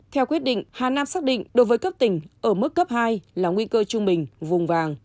theo quyết định hà nam xác định đối với cấp tỉnh ở mức cấp hai là nguy cơ trung bình vùng vàng